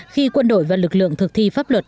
khi quân đội và lực lượng thực thi pháp luật